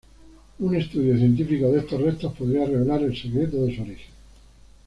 Un estudio científico de estos restos podría revelar el secreto de su origen.